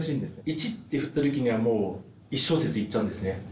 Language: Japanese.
１って振った時にはもう１小節いっちゃうんですね。